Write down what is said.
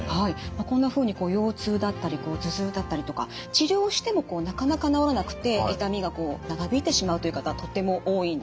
まあこんなふうに腰痛だったり頭痛だったりとか治療してもなかなか治らなくて痛みがこう長引いてしまうという方とても多いんです。